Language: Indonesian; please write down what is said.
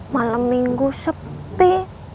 malam minggu sepi